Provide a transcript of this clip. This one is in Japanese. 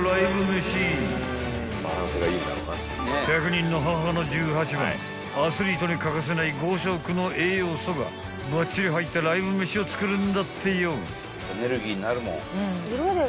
［１００人の母の十八番アスリートに欠かせない５色の栄養素がばっちり入ったライブ飯を作るんだってよ］